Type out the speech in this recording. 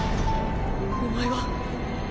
お前は。